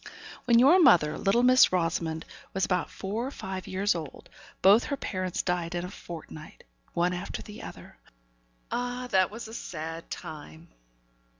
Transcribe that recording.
When your mother, little Miss Rosamond, was about four or five years old, both her parents died in a fortnight one after the other. Ah! that was a sad time.